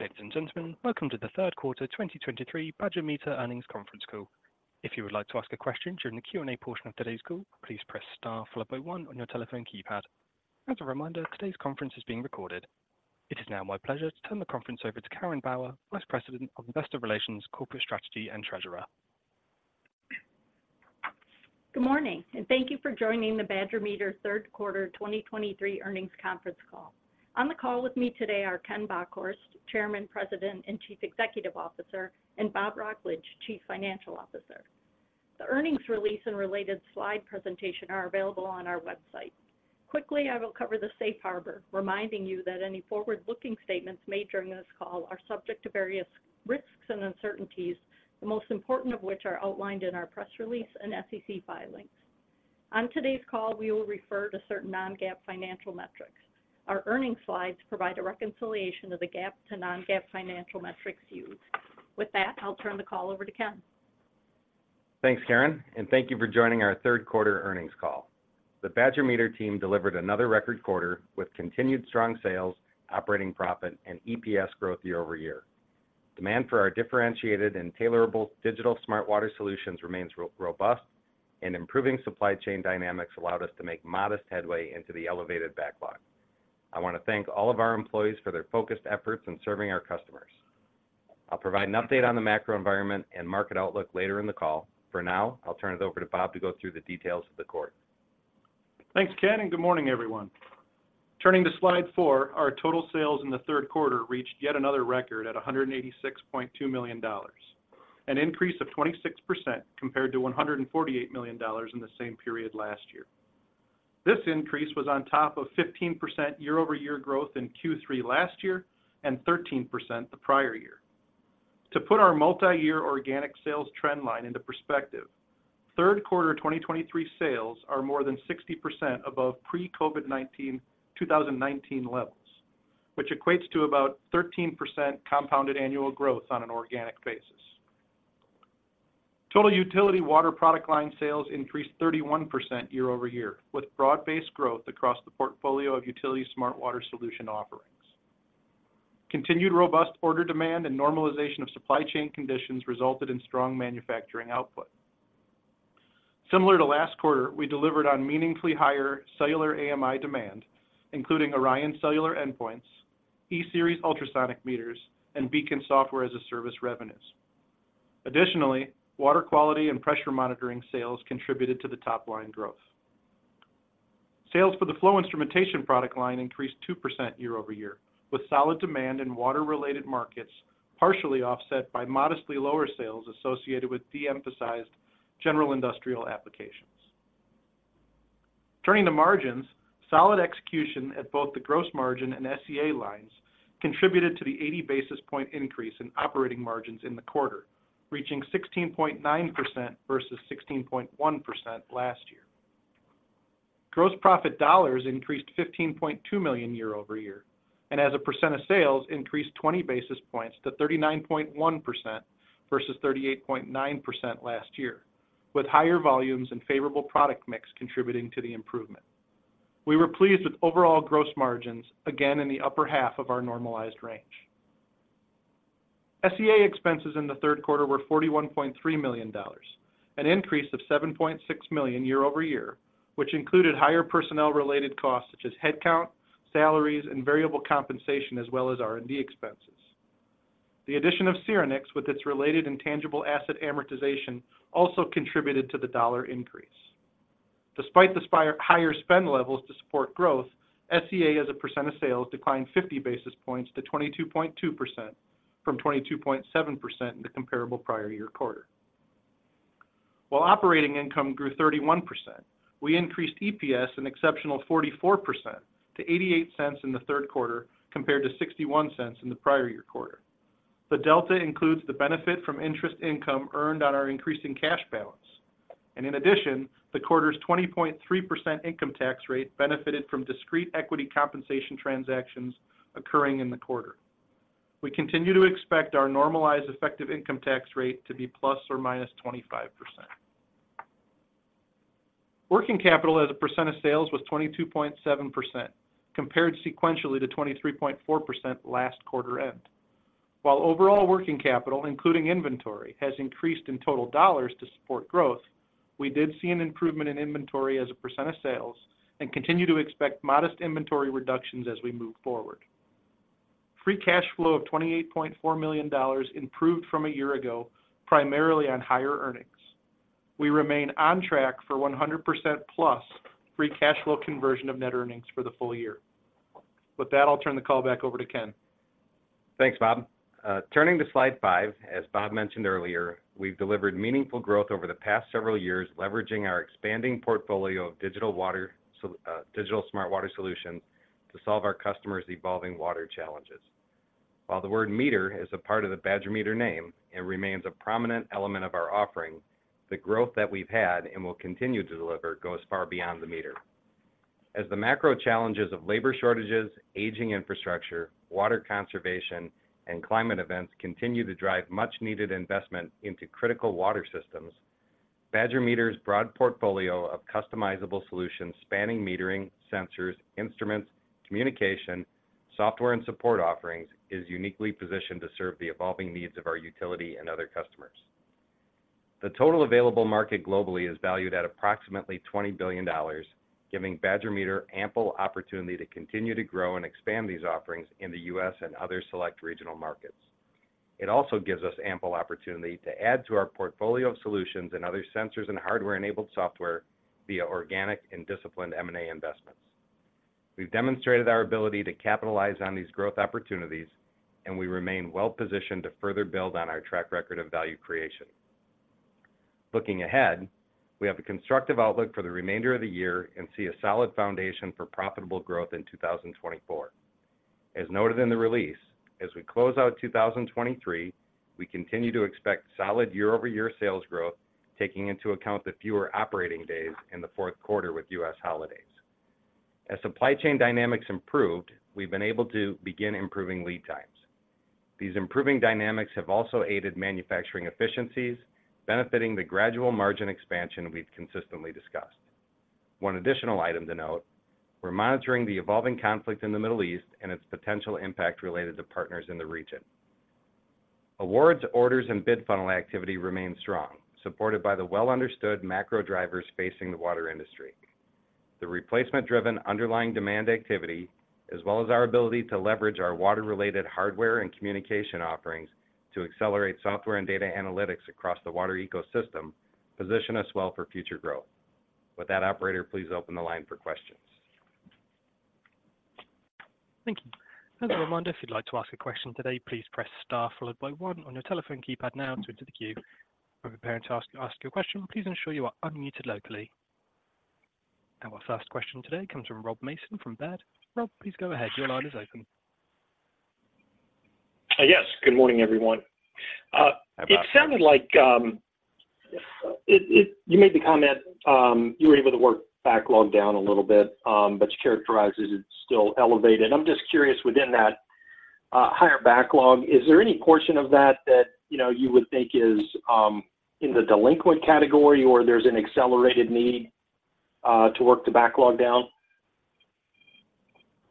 Ladies and gentlemen, welcome to the third quarter 2023 Badger Meter earnings conference call. If you would like to ask a question during the Q&A portion of today's call, please press Star followed by one on your telephone keypad. As a reminder, today's conference is being recorded. It is now my pleasure to turn the conference over to Karen Bauer, Vice President of Investor Relations, Corporate Strategy, and Treasurer. Good morning, and thank you for joining the Badger Meter third quarter 2023 earnings conference call. On the call with me today are Ken Bockhorst, Chairman, President, and Chief Executive Officer, and Bob Wrocklage, Chief Financial Officer. The earnings release and related slide presentation are available on our website. Quickly, I will cover the safe harbor, reminding you that any forward-looking statements made during this call are subject to various risks and uncertainties, the most important of which are outlined in our press release and SEC filings. On today's call, we will refer to certain non-GAAP financial metrics. Our earnings slides provide a reconciliation of the GAAP to non-GAAP financial metrics used. With that, I'll turn the call over to Ken. Thanks, Karen, and thank you for joining our third quarter earnings call. The Badger Meter team delivered another record quarter with continued strong sales, operating profit, and EPS growth year-over-year. Demand for our differentiated and tailorable digital smart water solutions remains robust, and improving supply chain dynamics allowed us to make modest headway into the elevated backlog. I want to thank all of our employees for their focused efforts in serving our customers. I'll provide an update on the macro environment and market outlook later in the call. For now, I'll turn it over to Bob to go through the details of the quarter. Thanks, Ken, and good morning, everyone. Turning to slide four, our total sales in the third quarter reached yet another record at $186.2 million, an increase of 26% compared to $148 million in the same period last year. This increase was on top of 15% year-over-year growth in Q3 last year and 13% the prior year. To put our multi-year organic sales trend line into perspective, third quarter 2023 sales are more than 60% above pre-COVID-19, 2019 levels, which equates to about 13% compounded annual growth on an organic basis. Total utility water product line sales increased 31% year-over-year, with broad-based growth across the portfolio of utility smart water solution offerings. Continued robust order demand and normalization of supply chain conditions resulted in strong manufacturing output. Similar to last quarter, we delivered on meaningfully higher cellular AMI demand, including ORION Cellular endpoints, E-Series Ultrasonic Meters, and BEACON Software as a Service revenues. Additionally, water quality and pressure monitoring sales contributed to the top-line growth. Sales for the flow instrumentation product line increased 2% year-over-year, with solid demand in water-related markets, partially offset by modestly lower sales associated with de-emphasized general industrial applications. Turning to margins, solid execution at both the gross margin and SEA lines contributed to the 80 basis point increase in operating margins in the quarter, reaching 16.9% versus 16.1% last year. Gross profit dollars increased $15.2 million year-over-year, and as a percent of sales, increased 20 basis points to 39.1% versus 38.9% last year, with higher volumes and favorable product mix contributing to the improvement. We were pleased with overall gross margins, again, in the upper half of our normalized range. SEA expenses in the third quarter were $41.3 million, an increase of $7.6 million year-over-year, which included higher personnel-related costs such as headcount, salaries, and variable compensation, as well as R&D expenses. The addition of Syrinix, with its related intangible asset amortization, also contributed to the dollar increase. Despite higher spend levels to support growth, SEA, as a percent of sales, declined 50 basis points to 22.2% from 22.7% in the comparable prior year quarter. While operating income grew 31%, we increased EPS an exceptional 44% to $0.88 in the third quarter, compared to $0.61 in the prior year quarter. The delta includes the benefit from interest income earned on our increasing cash balance, and in addition, the quarter's 20.3% income tax rate benefited from discrete equity compensation transactions occurring in the quarter. We continue to expect our normalized effective income tax rate to be ±25%. Working capital as a percent of sales was 22.7%, compared sequentially to 23.4% last quarter end. While overall working capital, including inventory, has increased in total dollars to support growth, we did see an improvement in inventory as a percent of sales and continue to expect modest inventory reductions as we move forward. Free cash flow of $28.4 million improved from a year ago, primarily on higher earnings. We remain on track for 100%+ free cash flow conversion of net earnings for the full year. With that, I'll turn the call back over to Ken. Thanks, Bob. Turning to slide five, as Bob mentioned earlier, we've delivered meaningful growth over the past several years, leveraging our expanding portfolio of digital smart water solutions to solve our customers' evolving water challenges. While the word meter is a part of the Badger Meter name and remains a prominent element of our offering, the growth that we've had and will continue to deliver goes far beyond the meter. As the macro challenges of labor shortages, aging infrastructure, water conservation, and climate events continue to drive much needed investment into critical water systems, Badger Meter's broad portfolio of customizable solutions spanning metering, sensors, instruments, communication, software, and support offerings, is uniquely positioned to serve the evolving needs of our utility and other customers. The total available market globally is valued at approximately $20 billion, giving Badger Meter ample opportunity to continue to grow and expand these offerings in the U.S. and other select regional markets. It also gives us ample opportunity to add to our portfolio of solutions and other sensors and hardware-enabled software via organic and disciplined M&A investments. We've demonstrated our ability to capitalize on these growth opportunities, and we remain well-positioned to further build on our track record of value creation. Looking ahead, we have a constructive outlook for the remainder of the year and see a solid foundation for profitable growth in 2024. As noted in the release, as we close out 2023, we continue to expect solid year-over-year sales growth, taking into account the fewer operating days in the fourth quarter with U.S. holidays. As supply chain dynamics improved, we've been able to begin improving lead times. These improving dynamics have also aided manufacturing efficiencies, benefiting the gradual margin expansion we've consistently discussed. One additional item to note: we're monitoring the evolving conflict in the Middle East and its potential impact related to partners in the region. Awards, orders, and bid funnel activity remain strong, supported by the well-understood macro drivers facing the water industry. The replacement-driven underlying demand activity, as well as our ability to leverage our water-related hardware and communication offerings to accelerate software and data analytics across the water ecosystem, position us well for future growth. With that, operator, please open the line for questions. Thank you. As a reminder, if you'd like to ask a question today, please press star followed by one on your telephone keypad now to enter the queue. When preparing to ask your question, please ensure you are unmuted locally. Our first question today comes from Rob Mason from Baird. Rob, please go ahead. Your line is open. Yes. Good morning, everyone. Hi, Rob. It sounded like you made the comment you were able to work backlog down a little bit, but you characterized it as still elevated. I'm just curious, within that higher backlog, is there any portion of that that you know you would think is in the delinquent category or there's an accelerated need to work the backlog down?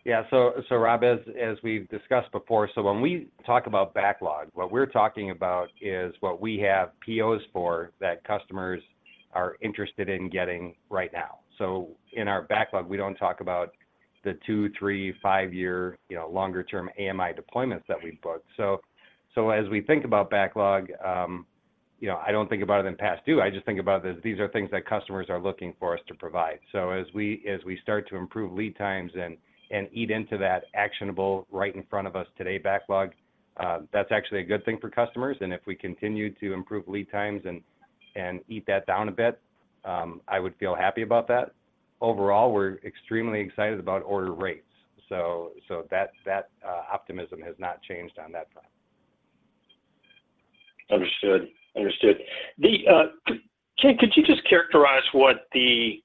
Yeah. So, so Rob, as, as we've discussed before, so when we talk about backlog, what we're talking about is what we have POs for that customers are interested in getting right now. So in our backlog, we don't talk about the two-, three-, five-year, you know, longer-term AMI deployments that we book. So, so as we think about backlog, you know, I don't think about it in past due. I just think about that these are things that customers are looking for us to provide. So as we, as we start to improve lead times and, and eat into that actionable right in front of us today backlog, that's actually a good thing for customers. And if we continue to improve lead times and, and eat that down a bit, I would feel happy about that. Overall, we're extremely excited about order rates, so that optimism has not changed on that front. Understood. Understood. The, could you just characterize what the,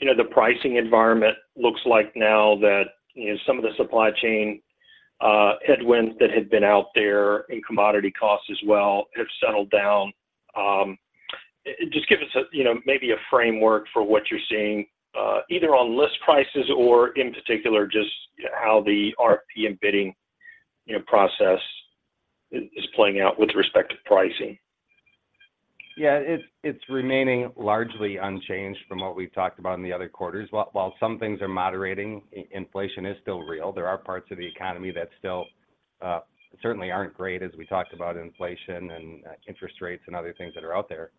you know, the pricing environment looks like now that, you know, some of the supply chain headwinds that had been out there, and commodity costs as well, have settled down? Just give us a, you know, maybe a framework for what you're seeing, either on list prices or, in particular, just how the RFP and bidding, you know, process is playing out with respect to pricing. Yeah. It's remaining largely unchanged from what we've talked about in the other quarters. While some things are moderating, inflation is still real. There are parts of the economy that still certainly aren't great as we talked about inflation and interest rates and other things that are out there.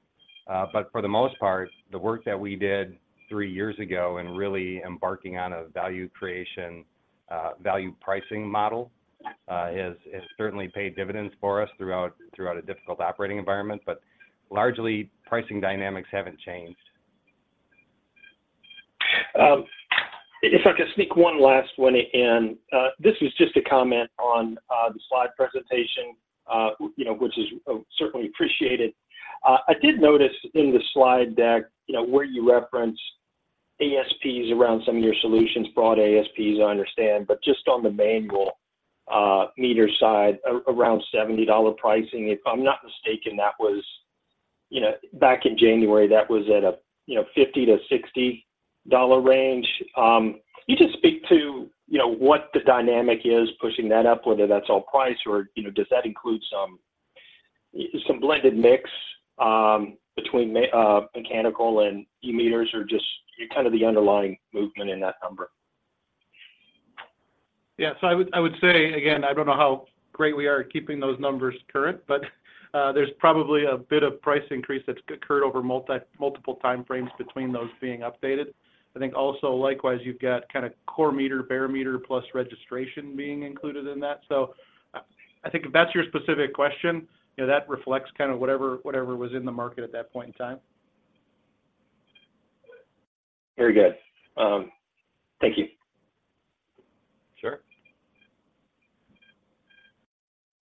But for the most part, the work that we did three years ago in really embarking on a value creation value pricing model has certainly paid dividends for us throughout a difficult operating environment. But largely, pricing dynamics haven't changed. If I could sneak one last one in. This is just a comment on the slide presentation, you know, which is certainly appreciated. I did notice in the slide deck, you know, where you reference ASPs around some of your solutions, broad ASPs, I understand, but just on the manual meter side, around $70 pricing, if I'm not mistaken, that was... You know, back in January, that was at a $50-$60 range. You just speak to, you know, what the dynamic is pushing that up, whether that's all price or, you know, does that include some blended mix between mechanical and e-meters, or just kind of the underlying movement in that number? Yeah, so I would, I would say, again, I don't know how great we are at keeping those numbers current, but there's probably a bit of price increase that's occurred over multiple time frames between those being updated. I think also, likewise, you've got kind of core meter, bare meter, plus registration being included in that. So I, I think if that's your specific question, you know, that reflects kind of whatever, whatever was in the market at that point in time. Very good. Thank you.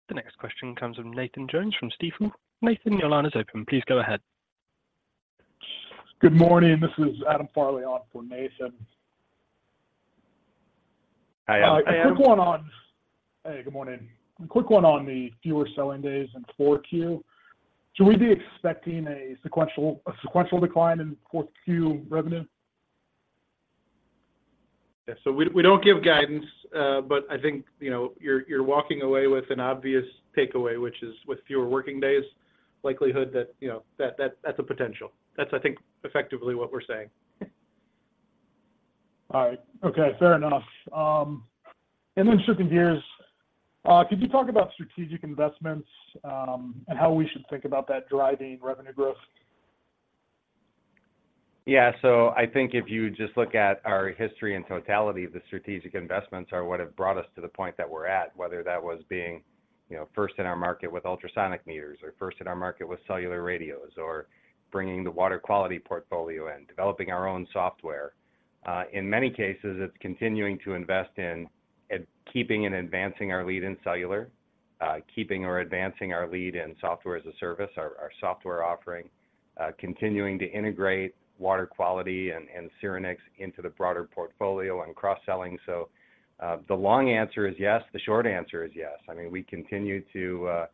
Sure. The next question comes from Nathan Jones from Stifel. Nathan, your line is open. Please go ahead. Good morning. This is Adam Farley on for Nathan. Hi, a quick one on the fewer selling days in fourth Q. Should we be expecting a sequential, a sequential decline in fourth Q revenue? Yeah. So we don't give guidance, but I think, you know, you're walking away with an obvious takeaway, which is with fewer working days, likelihood that, you know, that, that's a potential. That's, I think, effectively what we're saying. All right. Okay, fair enough. And then switching gears, could you talk about strategic investments, and how we should think about that driving revenue growth? Yeah. So I think if you just look at our history and totality of the strategic investments are what have brought us to the point that we're at, whether that was being, you know, first in our market with ultrasonic meters, or first in our market with cellular radios, or bringing the water quality portfolio in, developing our own software. In many cases, it's continuing to invest in and keeping and advancing our lead in cellular, keeping or advancing our lead in software as a service, our, our software offering, continuing to integrate water quality and, and Syrinix into the broader portfolio and cross-selling. So, the long answer is yes. The short answer is yes. I mean, we continue to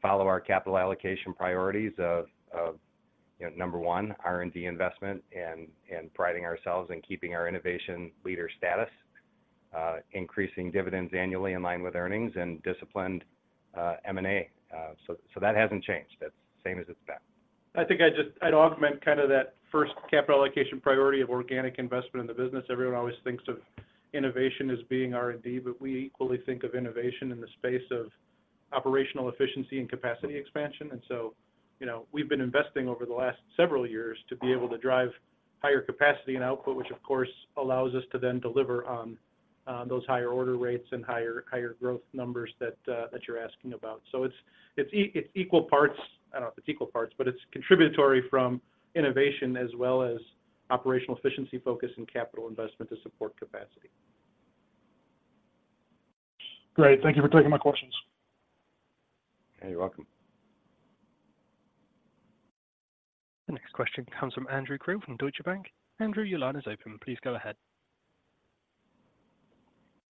follow our capital allocation priorities of, you know, number one, R&D investment and priding ourselves in keeping our innovation leader status, increasing dividends annually in line with earnings and disciplined M&A. So that hasn't changed. That's the same as it's been. I think I just—I'd augment kinda that first capital allocation priority of organic investment in the business. Everyone always thinks of innovation as being R&D, but we equally think of innovation in the space of operational efficiency and capacity expansion. And so, you know, we've been investing over the last several years to be able to drive higher capacity and output, which of course allows us to then deliver on those higher order rates and higher growth numbers that you're asking about. So it's equal parts... I don't know if it's equal parts, but it's contributory from innovation as well as operational efficiency focus and capital investment to support capacity. Great. Thank you for taking my questions. Yeah, you're welcome. The next question comes from Andrew Krill from Deutsche Bank. Andrew, your line is open. Please go ahead.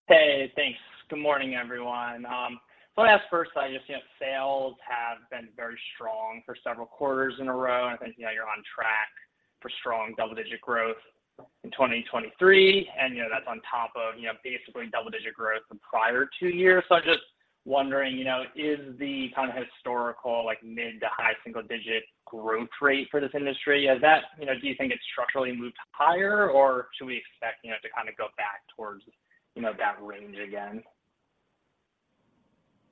Hey, thanks. Good morning, everyone. So I'll ask first, I just know sales have been very strong for several quarters in a row, and I think, you know, you're on track for strong double-digit growth in 2023, and, you know, that's on top of, you know, basically double-digit growth the prior two years. So I'm just wondering, you know, is the kind of historical, like, mid- to high-single-digit growth rate for this industry, has that—you know, do you think it's structurally moved higher, or should we expect, you know, to kinda go back towards, you know, that range again?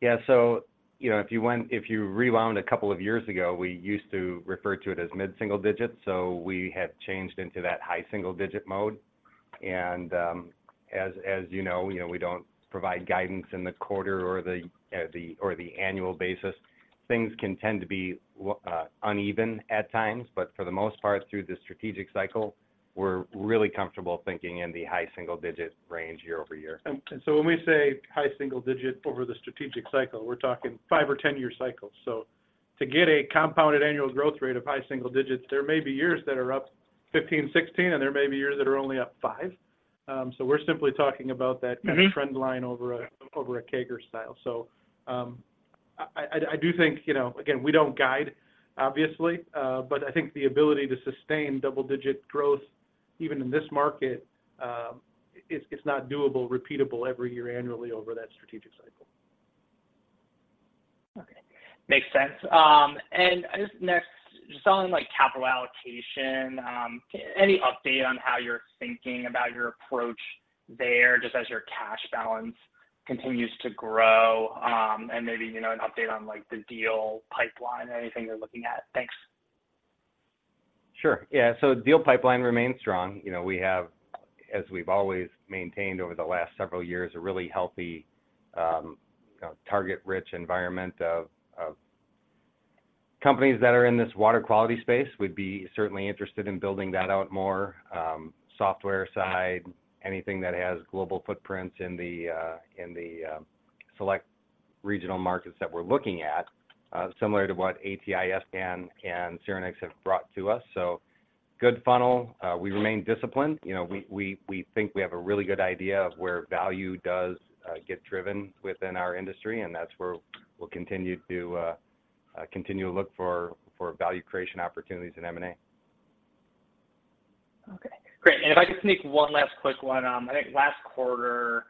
Yeah so, you know, if you went-- if you rewound a couple of years ago, we used to refer to it as mid single digits, so we have changed into that high single digit mode. And, as, as you know, you know, we don't provide guidance in the quarter or the, the, or the annual basis. Things can tend to be uneven at times, but for the most part, through the strategic cycle, we're really comfortable thinking in the high single-digit range year-over-year. So when we say high single digit over the strategic cycle, we're talking five or 10-year cycles. So to get a compounded annual growth rate of high single digits, there may be years that are up 15, 16, and there may be years that are only up five. So we're simply talking about that- Mm-hmm... kind of trend line over a CAGR style. So, I do think, you know, again, we don't guide, obviously, but I think the ability to sustain double-digit growth, even in this market, it's not doable, repeatable every year annually over that strategic cycle. Okay. Makes sense. And just next, just on, like, capital allocation, any update on how you're thinking about your approach there, just as your cash balance continues to grow, and maybe, you know, an update on, like, the deal pipeline, anything you're looking at? Thanks. Sure. Yeah, so deal pipeline remains strong. You know, we have, as we've always maintained over the last several years, a really healthy, target-rich environment of companies that are in this water quality space. We'd be certainly interested in building that out more, software side, anything that has global footprints in the select regional markets that we're looking at, similar to what ATI, s::can, and Syrinix have brought to us. So good funnel. We remain disciplined. You know, we think we have a really good idea of where value does get driven within our industry, and that's where we'll continue to look for value creation opportunities in M&A. Okay, great. And if I could sneak one last quick one. I think last quarter,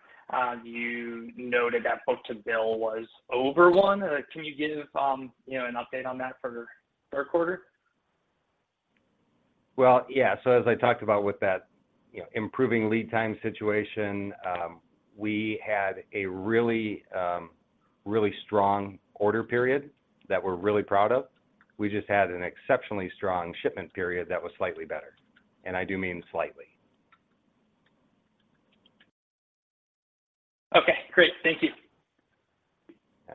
you noted that Book-to-Bill was over one. Can you give, you know, an update on that for the third quarter? Well, yeah. So as I talked about with that, you know, improving lead time situation, we had a really, really strong order period that we're really proud of. We just had an exceptionally strong shipment period that was slightly better, and I do mean slightly. Okay, great. Thank you.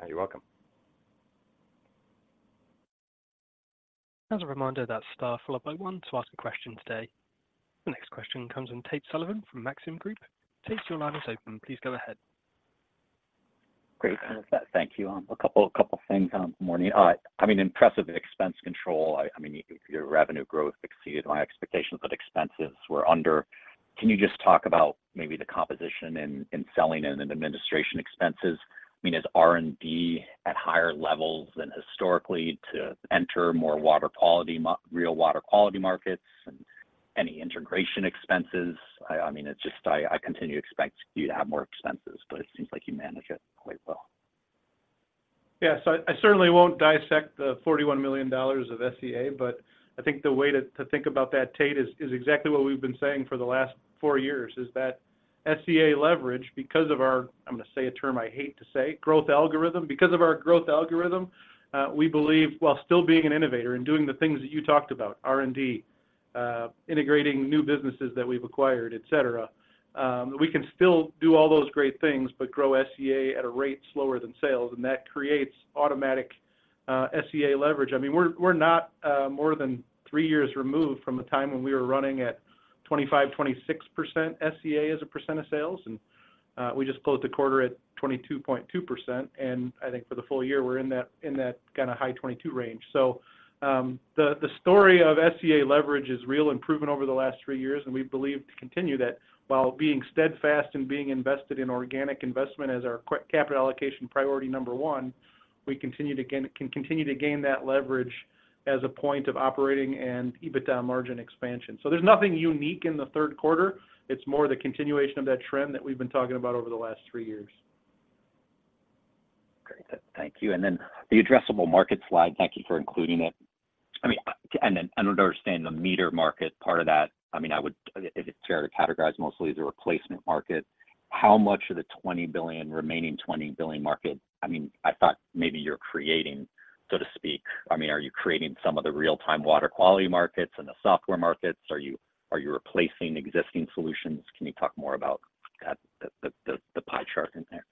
You're welcome. As a reminder, that star followed by 1 to ask a question today. The next question comes from Tate Sullivan from Maxim Group. Tate, your line is open. Please go ahead.... Great, thank you. A couple things, Morning. I mean, impressive expense control. I mean, your revenue growth exceeded my expectations, but expenses were under. Can you just talk about maybe the composition in selling and in administration expenses? I mean, is R&D at higher levels than historically to enter more water quality, real water quality markets and any integration expenses? I mean, it's just I continue to expect you to have more expenses, but it seems like you manage it quite well. Yeah. So I certainly won't dissect the $41 million of SEA, but I think the way to think about that, Tate, is exactly what we've been saying for the last four years, is that SEA leverage, because of our, I'm gonna say a term I hate to say, growth algorithm. Because of our growth algorithm, we believe while still being an innovator and doing the things that you talked about, R&D, integrating new businesses that we've acquired, et cetera, we can still do all those great things, but grow SEA at a rate slower than sales, and that creates automatic SEA leverage. I mean, we're not more than three years removed from the time when we were running at 25%-26% SEA as a percent of sales, and we just closed the quarter at 22.2%. I think for the full year, we're in that kinda high 22% range. So, the story of SEA leverage is real improvement over the last three years, and we believe to continue that while being steadfast and being invested in organic investment as our capital allocation priority number one, we can continue to gain that leverage as a point of operating and EBITDA margin expansion. So there's nothing unique in the third quarter. It's more the continuation of that trend that we've been talking about over the last three years. Great. Thank you. Then the addressable market slide, thank you for including it. I mean, then I don't understand the meter market part of that. I mean, I would—if it's fair to categorize mostly as a replacement market, how much of the $20 billion, remaining $20 billion market? I mean, I thought maybe you're creating, so to speak. I mean, are you creating some of the real-time water quality markets and the software markets? Are you, are you replacing existing solutions? Can you talk more about that, the, the, the pie chart in there?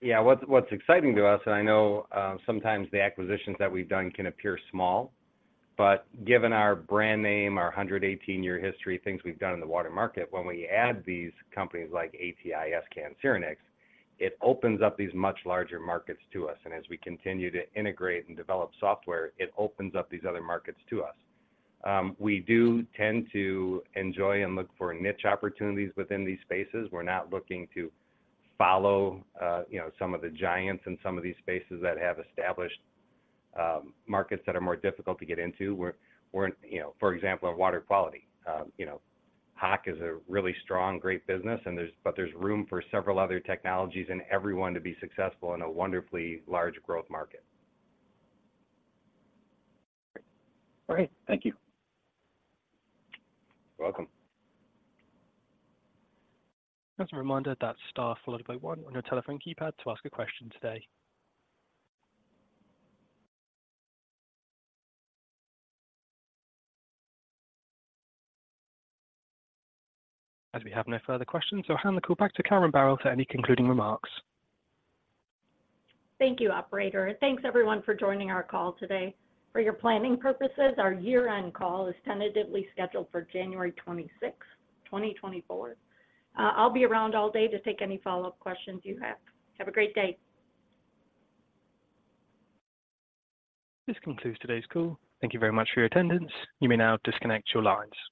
Yeah, what's, what's exciting to us, and I know, sometimes the acquisitions that we've done can appear small, but given our brand name, our 118-year history, things we've done in the water market, when we add these companies like ATI, s::can, Syrinix, it opens up these much larger markets to us. And as we continue to integrate and develop software, it opens up these other markets to us. We do tend to enjoy and look for niche opportunities within these spaces. We're not looking to follow, you know, some of the giants in some of these spaces that have established, markets that are more difficult to get into. We're, you know, for example, in water quality, you know, Hach is a really strong, great business, and there's but there's room for several other technologies and everyone to be successful in a wonderfully large growth market. Great. Thank you. You're welcome. Just a reminder that star followed by one on your telephone keypad to ask a question today. As we have no further questions, I'll hand the call back to Karen Bauer for any concluding remarks. Thank you, operator. Thanks, everyone, for joining our call today. For your planning purposes, our year-end call is tentatively scheduled for January 26, 2024. I'll be around all day to take any follow-up questions you have. Have a great day. This concludes today's call. Thank you very much for your attendance. You may now disconnect your lines.